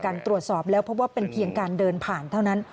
ตรวจสอบแล้วเพราะว่าเป็นเพียงการเดินผ่านเท่านั้น